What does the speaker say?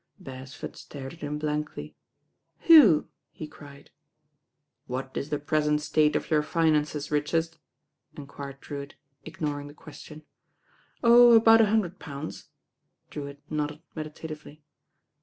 Beresford stared at him blankly. "Who?" he cried. "What is the present state of your finances, Rich ard?" enquired Drewitt, ignoring the question. "Oh, about a hundred pounds." Drewitt nodded meditatively.